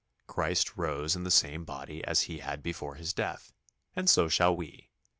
Christ rose in the same body as He had before His death, and so shall we.